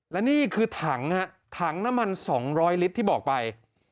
และนี่คือถังฮะถังถังน้ำมัน๒๐๐ลิตรที่บอกไป